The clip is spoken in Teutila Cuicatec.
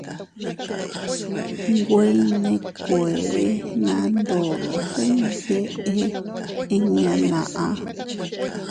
Nwe iynèkueʼe naʼa ndodo se iyndeʼe inña naʼa.